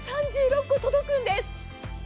３６個届くんです。